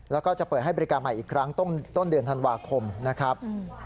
แล้วก็จะเปิดให้บริการใหม่อีกครั้งต้นเดือนธันวาคมนะครับ